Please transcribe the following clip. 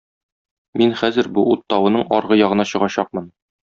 Мин хәзер бу ут тавының аргы ягына чыгачакмын.